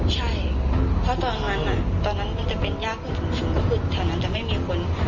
ใช่เพราะว่าตอนนั้นมันจะเป็นยากพอหนูถึงก็คือแถวนั้นจะไม่มีคน